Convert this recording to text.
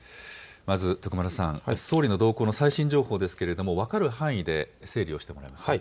まず徳丸さん、総理の動向の最新情報ですが分かる範囲で整理をしてもらえますか。